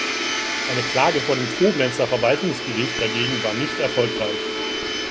Eine Klage vor dem Koblenzer Verwaltungsgericht dagegen war nicht erfolgreich.